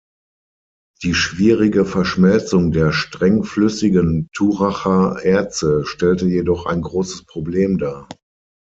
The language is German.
Die schwierige Verschmelzung der „streng-flüssigen“ Turracher Erze stellte jedoch ein großes Problem dar.